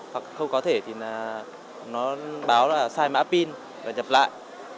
hoặc không có thể thì là nó báo là sai mã pin và nhập lại